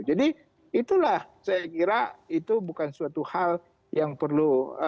jadi itulah saya kira itu bukan suatu hal yang perlu kita nyatakan